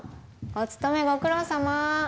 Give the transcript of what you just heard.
お勤めご苦労さま